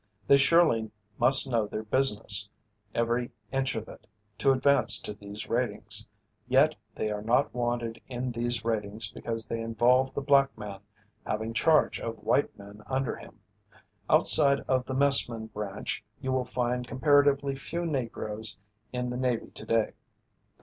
They surely must know their business every inch of it to advance to these ratings. Yet they are not wanted in these ratings because they involve the black man having charge of white men under him. Outside of the messman branch you will find comparatively few Negroes in the Navy today.